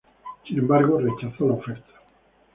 Sin embargo, rechazó la oferta.